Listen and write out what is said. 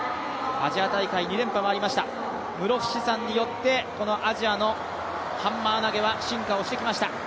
アジア大会２連覇もありました、室伏さんによってアジアのハンマー投げは進化してきました。